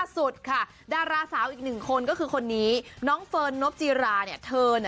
สุดค่ะดาราสาวอีกหนึ่งคนก็คือคนนี้น้องเฟิร์นนบจีราเนี่ยเธอน่ะ